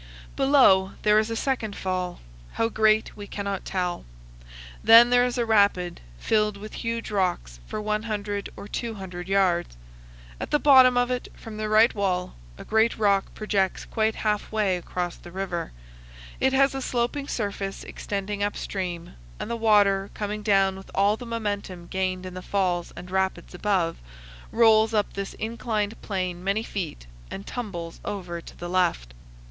Below, there is a second fall; how great, we cannot tell. Then there is a rapid, filled with huge rocks, for 100 or 200 yards. At the bottom of it, from the right wall, a great rock projects quite halfway across the river. It has a sloping surface extending up stream, and the water, coming down with all the momentum gained in the falls and rapids above, rolls up this inclined plane many feet, and tumbles over to the left.